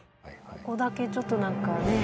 ここだけちょっと何かね